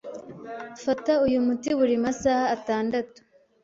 Fata uyu muti buri masaha atandatu.